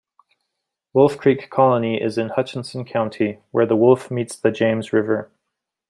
Wolf Creek Colony is in Hutchinson County, where the Wolf meets the James River.